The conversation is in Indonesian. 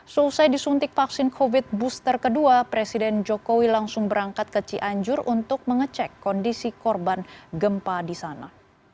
selesai disuntik vaksin covid booster kedua presiden jokowi langsung berangkat ke cianjur untuk mengecek kondisi korban gempa di sana